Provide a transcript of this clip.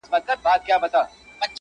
زړه مي ورېږدېدی.